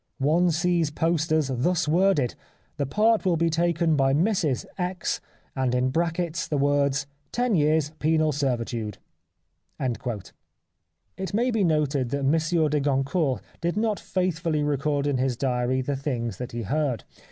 One sees posters thus worded :' The part will be taken by Mrs X./ and, in brackets, the words ' (lo Years Penal Servitude).' " It may be noted that Monsieur de Goncourt did not faithfully record in his diary the things that he heard.